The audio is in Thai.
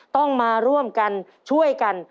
ต้องมาร่วมกันช่วยกัน